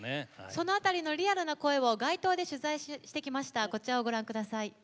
その辺りのリアルな声街頭で取材してきました。